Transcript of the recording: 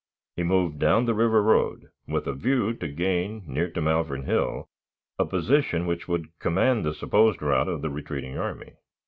He moved down the River road, with a view to gain, near to Malvern Hill, a position which would command the supposed route of the retreating army.